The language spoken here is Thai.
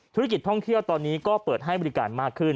ธุรกิจท่องเที่ยวตอนนี้ก็เปิดให้บริการมากขึ้น